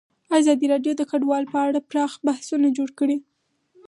ازادي راډیو د کډوال په اړه پراخ بحثونه جوړ کړي.